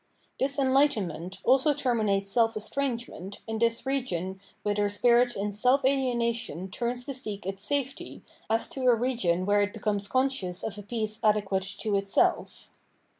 This en lightenment also terminates self estrangement in this region whither spirit in self alienation turns to seek its safety as to a region where it becomes conscious of a peace adequate to itself.